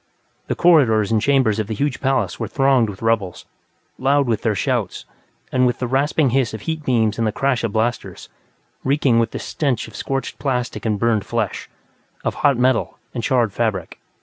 The corridors and chambers of the huge palace were thronged with rebels, loud with their shouts, and with the rasping hiss of heat beams and the crash of blasters, reeking with the stench of scorched plastic and burned flesh, of hot metal and charred fabric.